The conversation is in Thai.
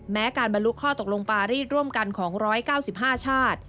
แม้การบรรลุข้อตกลงปารีสร่วมกันของ๑๙๕ชาติ